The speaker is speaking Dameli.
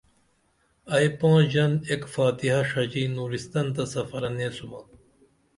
ائی پانچ ژن اِک فاتحہ ڜڙی نورستان تہ سفرہ نیسومہ